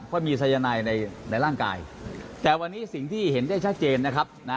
เพราะมีสายนายในร่างกายแต่วันนี้สิ่งที่เห็นได้ชัดเจนนะครับนะ